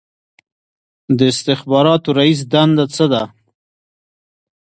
د استخباراتو رییس دنده څه ده؟